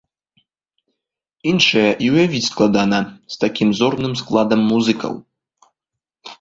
Іншае і ўявіць складана, з такім зорным складам музыкаў.